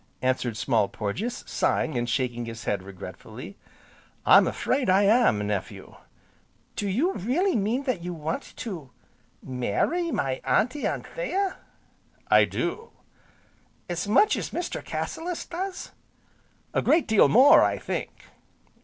answered Small Porges, sighing and shaking his head regretfully. "I'm afraid I am, nephew." "Do you really mean that you want to marry my Auntie Anthea?" "I do." "As much as Mr. Cassilis does?" "A great deal more, I think."